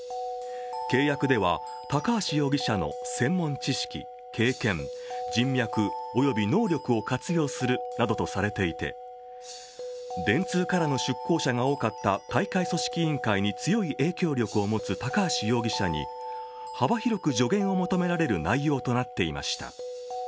契約では、高橋容疑者の専門知識、経験、人脈及び能力を活用するなどとされていて電通からの出向者が多かった大会組織委員会に強い影響力を持つ高橋容疑者に幅広く助言を求められる内容となっていました。